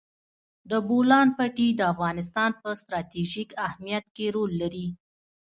د بولان پټي د افغانستان په ستراتیژیک اهمیت کې رول لري.